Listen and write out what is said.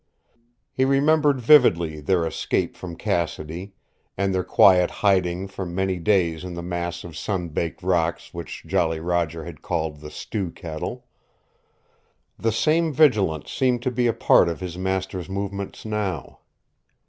He remembered vividly their escape from Cassidy and their quiet hiding for many days in the mass of sun baked rocks which Jolly Roger had called the Stew Kettle. The same vigilance seemed to be a part of his master's movements now.